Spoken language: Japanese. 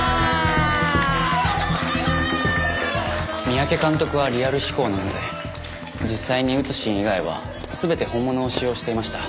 三宅監督はリアル志向なので実際に撃つシーン以外は全て本物を使用していました。